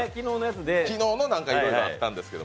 昨日いろいろあったんですけど。